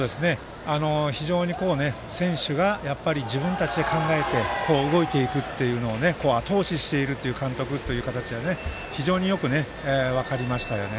非常に選手が自分たちで考えて動いていくというのをあと押ししている監督という形が非常によく分かりましたよね。